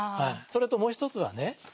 それともう一つはね